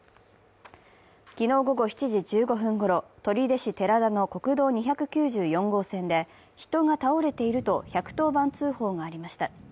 昨日午後７時１５分ごろ、取手市寺田の国道２９４号線で、人が倒れていると１１０番通報がありました。